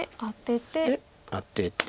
でアテて。